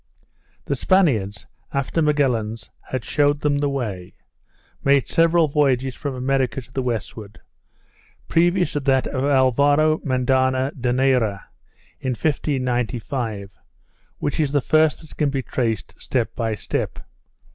The Spaniards, after Magalhaens had shewed them the way, made several voyages from America to the westward, previous to that of Alvaro Mendana De Neyra, in 1595, which is the first that can be traced step by step.